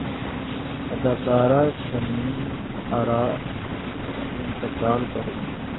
اداکارہ شمیم ارا انتقال کرگئیں